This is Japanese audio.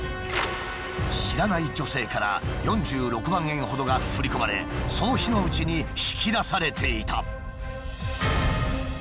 知らない女性から４６万円ほどが振り込まれその日のうちに引き出されていた。